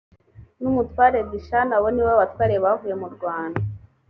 n umutware dishani abo ni bo batware bavuye murwanda